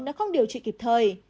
nó không điều trị kịp thời